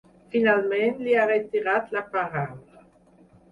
Finalment, li ha retirat la paraula.